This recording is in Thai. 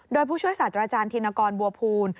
โดยผู้ช่วยศาสตราจารย์ธินกรบัวภูล